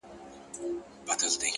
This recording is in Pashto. مهرباني د انسان نرم ځواک دی.!